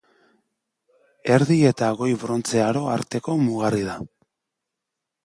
Erdi eta Goi Brontze Aro arteko mugarri da.